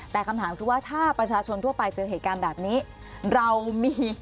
แต่คำถามคือว่าถ้าประชาชนทั่วไปเจอเหตุการณ์แบบนี้เรามี